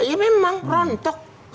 ya memang rontok